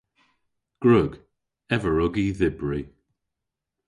Gwrug. Ev a wrug y dhybri.